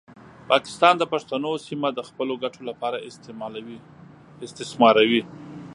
پاکستان د پښتنو سیمه د خپلو ګټو لپاره استثماروي.